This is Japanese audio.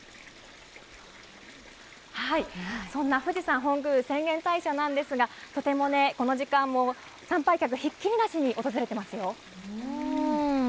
そんな富士山本宮浅間大社なんですが、とてもこの時間も参拝客、ひっきりなしに訪れていますよ。